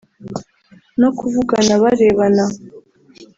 no kuvugana barebana